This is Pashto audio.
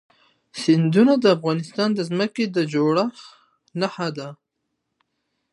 سیندونه د افغانستان د ځمکې د جوړښت نښه ده.